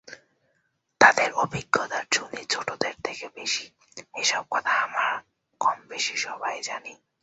তাঁদের অভিজ্ঞতার ঝুলি ছোটদের থেকে বেশি—এসব কথা আমরা কম-বেশি সবাই জানি।